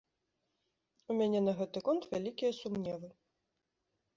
У мяне на гэты конт вялікія сумневы.